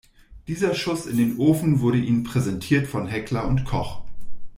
Dieser Schuss in den Ofen wurde Ihnen präsentiert von Heckler & Koch.